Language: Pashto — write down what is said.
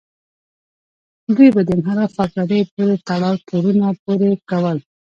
دوی به د انحراف او پردیو پورې تړاو تورونه پورې کول.